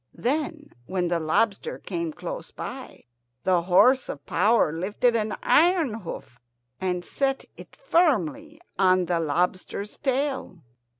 Then, when the lobster came close by, the horse of power lifted an iron hoof and set it firmly on the lobster's tail.